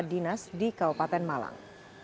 dinas di kabupaten malang